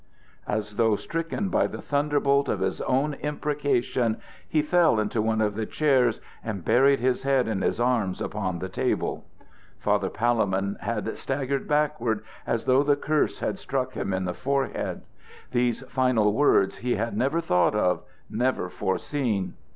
As though stricken by the thunderbolt of his own imprecation, he fell into one of the chairs and buried his head in his arms upon the table. Father Palemon had staggered backward, as though the curse had struck him in the forehead. These final words he had never thought of never foreseen.